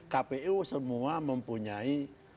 kpu semua mempunyai